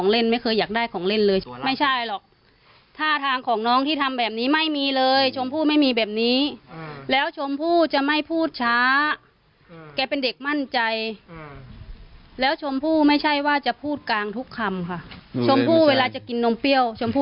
รักแล้วก็ติดมากกว่าอย่างอื่นเลย